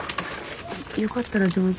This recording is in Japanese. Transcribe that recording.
よかったらどうぞ。